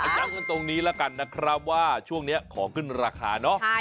ย้ำกันตรงนี้แล้วกันนะครับว่าช่วงนี้ขอขึ้นราคาเนอะ